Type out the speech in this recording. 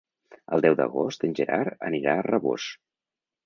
El deu d'agost en Gerard anirà a Rabós.